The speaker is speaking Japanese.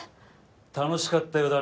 楽しかったようだね